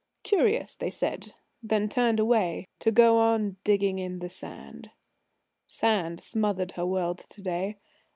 "Curious," they said, then turned away to go on digging in the sand. Sand smothered her world to day.